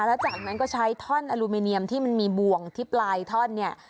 แล้วจากนั้นก็ใช้ท่อนอลูมิเนียมที่มันมีบ่วงที่ปลายท่อนเนี่ย